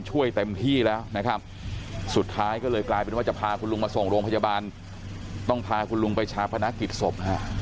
เต็มที่แล้วนะครับสุดท้ายก็เลยกลายเป็นว่าจะพาคุณลุงมาส่งโรงพยาบาลต้องพาคุณลุงไปชาพนักกิจศพฮะ